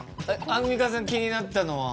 アンミカさん気になったのは？